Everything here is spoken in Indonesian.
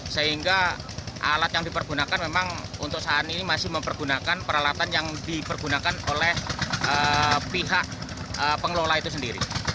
sehingga alat yang dipergunakan memang untuk saat ini masih mempergunakan peralatan yang dipergunakan oleh pihak pengelola itu sendiri